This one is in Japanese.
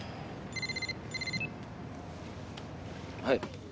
はい。